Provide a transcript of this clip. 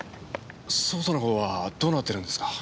捜査の方はどうなってるんですか？